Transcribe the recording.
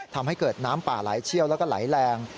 ทำให้เกิดน้ำป่าไหลเชี่ยวแล้วก็ไหลแรง